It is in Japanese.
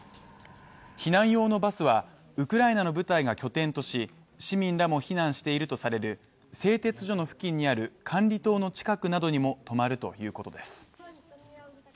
避難用のバスは、ウクライナの部隊が拠点とし市民らも避難しているとされる製鉄所の付近にある管理棟の近くなどにも止まるということです。